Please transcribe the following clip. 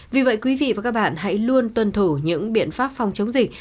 vì vậy quý vị và các bạn hãy luôn tuân thủ những biện pháp phòng chống dịch